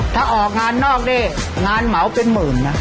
ถ้าออกงานนอกนี่งานเหมาเป็นหมื่นนะ